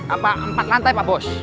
apa empat lantai pak bos